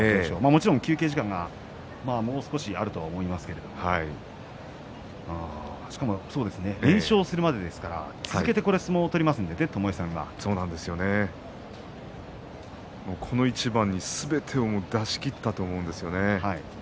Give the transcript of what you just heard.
もちろん休憩時間がもう少しあるとは思いますがしかも連勝するまでですから続けて相撲を取りますのでこの一番にすべてを出し切ったと思うんですよね。